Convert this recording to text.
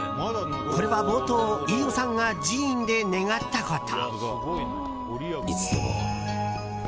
これは冒頭飯尾さんが寺院で願ったこと。